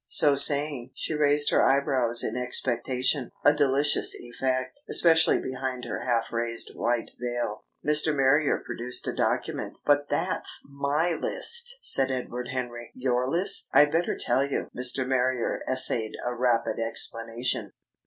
So saying, she raised her eyebrows in expectation a delicious effect, especially behind her half raised white veil. Mr. Marrier produced a document. "But that's my list!" said Edward Henry. "Your list?" "I'd better tell you." Mr. Marrier essayed a rapid explanation.